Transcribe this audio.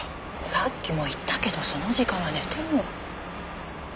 さっきも言ったけどその時間は寝てるの。